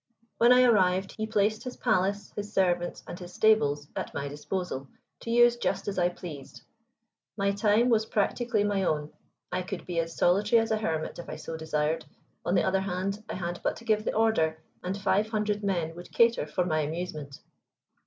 When I arrived he placed his palace, his servants, and his stables at my disposal to use just as I pleased. My time was practically my own. I could be as solitary as a hermit if I so desired; on the other hand, I had but to give the order, and five hundred men would cater for my amusement.